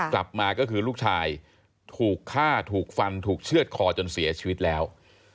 กลับมาก็คือลูกชายถูกฆ่าถูกฟันถูกเชื่อดคอจนเสียชีวิตแล้ว